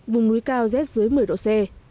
vùng núi cao rét dưới một mươi độ c